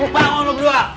eh bangun lo berdua